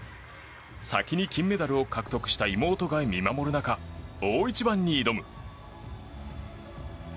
先に金メダルを獲得した妹が見守る中大一番に挑む。